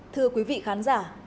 thưa quý vị khán giả